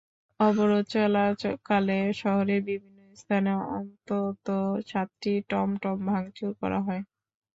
অবরোধ চলাকালে শহরের বিভিন্ন স্থানে অন্তত সাতটি টমটম ভাঙচুর করা হয়।